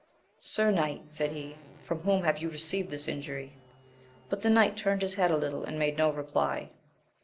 Sir knight, said he, from whom have you received this injury ? but the knight turned his head a little, and made no reply.